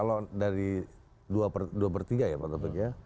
jadi dua per tiga ya pak taufik ya